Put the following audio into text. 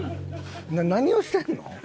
何をしてんの？